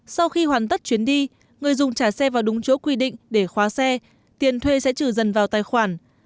sau khi hoàn tất chuyến đi người dùng trả xe vào đúng chỗ quy định để khóa xe tiền thuê sẽ trừ dần vào tài khoản